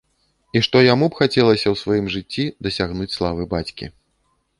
І што яму б хацелася ў сваім жыцці дасягнуць славы бацькі.